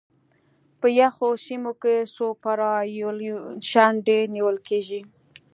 په یخو سیمو کې سوپرایلیویشن ډېر نیول کیږي